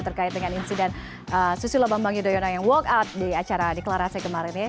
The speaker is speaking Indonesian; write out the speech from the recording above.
terkait dengan insiden susilo bambang yudhoyono yang walk out di acara deklarasi kemarin ya